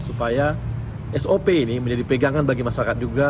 supaya sop ini menjadi pegangan bagi masyarakat juga